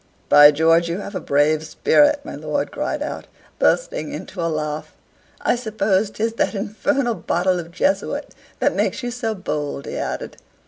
"By George, you have a brave spirit!" my lord cried out, bursting into a laugh. "I suppose 'tis that infernal botte de Jesuite that makes you so bold," he added.